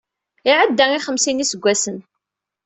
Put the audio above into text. Iɛedda i xemsin n yiseggasen.